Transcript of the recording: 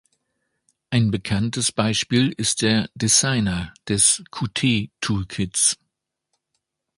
Ein bekanntes Beispiel ist der "Designer" des Qt-Toolkits.